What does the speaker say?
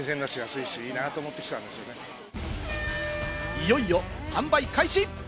いよいよ販売開始。